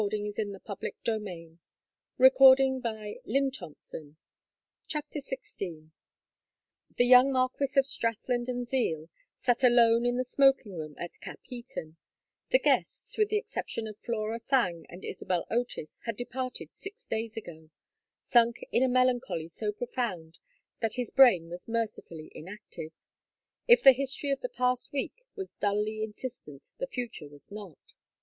"Wake me at twenty to seven, will you?" he asked. "I have ordered the trap." XVI The young Marquess of Strathland and Zeal sat alone in the smoking room at Capheaton the guests, with the exception of Flora Thangue and Isabel Otis had departed six days ago sunk in a melancholy so profound that his brain was mercifully inactive: if the history of the past week was dully insistent the future was not.